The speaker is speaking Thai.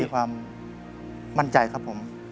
ความมั่นใจครับผม